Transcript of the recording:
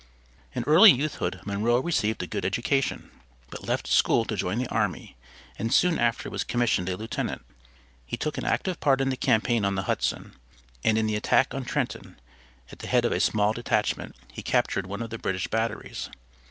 In early youthhood Monroe received a good education, but left school to join the army and soon after was commissioned a lieutenant. He took an active part in the campaign on the Hudson, and in the attack on Trenton, at the head of a small detachment, he captured one of the British batteries.